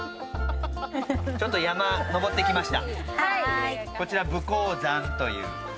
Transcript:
ちょっと山、登ってきました。